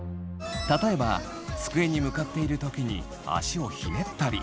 例えば机に向かっている時に足をひねったり。